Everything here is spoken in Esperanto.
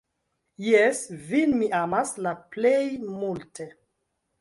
Jes, vin mi amas la plej multe!